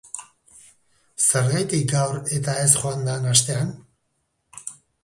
Zergatik gaur eta ez joan dan astean?